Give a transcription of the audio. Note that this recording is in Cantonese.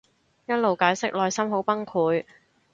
一路解釋內心好崩潰